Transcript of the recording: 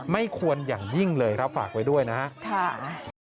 ไม่ควรอย่างยิ่งเลยครับฝากไว้ด้วยนะครับ